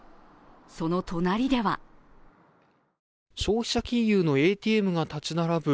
その隣では消費者金融のＡＴＭが立ち並ぶ